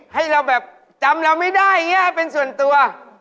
ให้เราแบบจำเราไม่ได้อย่างนี้เป็นส่วนตัว